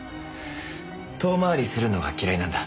遠回りするのが嫌いなんだ。